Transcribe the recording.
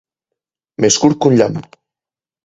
Més curt que un llamp.